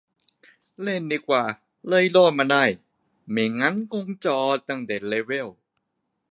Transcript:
เล่นดีกว่า เลยรอดมาได้ ไม่งั้นคงจอดตั้งแต่เลเวล